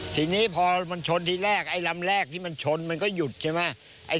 ทีนี้พอมันชนที่แรกไอ้ลำแรกที่มันชนมันก็หยุดใช่ไหม